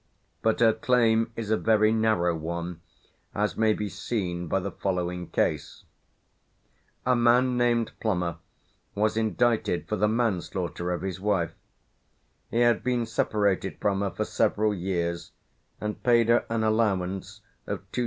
But her claim is a very narrow one, as may be seen by the following case: A man named Plummer was indicted for the manslaughter of his wife; he had been separated from her for several years, and paid her an allowance of 2s.